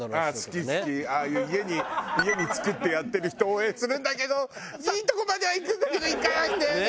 ああいう家に家に作ってやってる人を応援するんだけどいいとこまではいくんだけどいかないんだよね！